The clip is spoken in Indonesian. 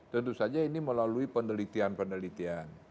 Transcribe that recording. tentu saja ini melalui penelitian penelitian